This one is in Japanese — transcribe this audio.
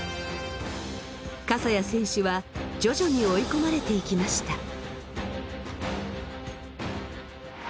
笠谷選手は徐々に追い込まれていきました。